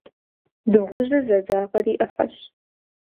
Дыгъужьыр зэдзакъэр и ӏыхьэщ.